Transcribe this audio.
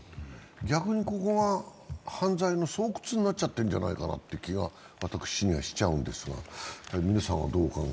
逆に、ここが犯罪の巣窟になってるんじゃないかなという気が私はしちゃうんですが。